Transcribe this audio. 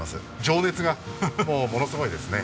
情熱がものすごいですね。